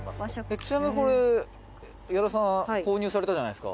「ちなみに、これ、矢田さん購入されたじゃないですか」